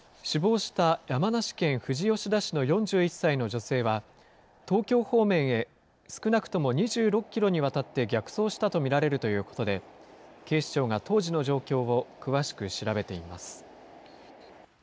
死亡した山梨県富士吉田市の４１歳の女性は、東京方面へ少なくとも２６キロにわたって逆走したと見られるということで、警視庁が当時の状況を詳しく調べています。